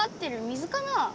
水かな？